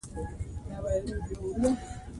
ازادي راډیو د روغتیا په اړه د مسؤلینو نظرونه اخیستي.